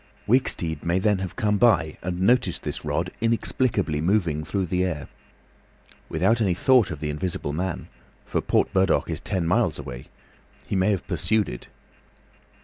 Wicksteed may then have come by and noticed this rod inexplicably moving through the air. Without any thought of the Invisible Man—for Port Burdock is ten miles away—he may have pursued it.